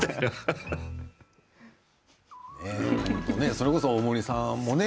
それこそ、大森さんもね